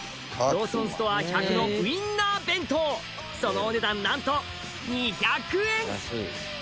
ローソンストア１００のウインナー弁当そのお値段なんと２００円！